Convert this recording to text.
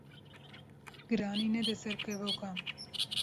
Giranî nede ser kevokan